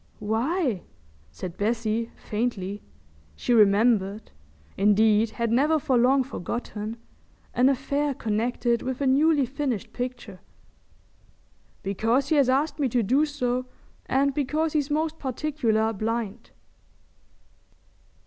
"Why?" said Bessie, faintly. She remembered—indeed had never for long forgotten—an affair connected with a newly finished picture. "Because he has asked me to do so, and because he's most particular blind."